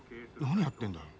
何やってんだよ。